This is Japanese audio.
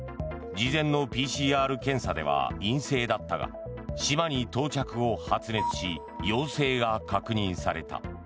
事前のＰＣＲ検査では陰性だったが島に到着後、発熱し陽性が確認された。